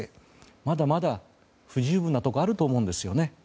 まだまだ不十分なところがあると思うんですよね。